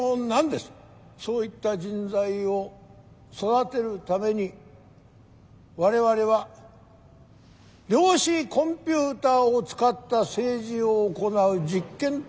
そういった人材を育てるために我々は量子コンピューターを使った政治を行う実験都市を造り上げました。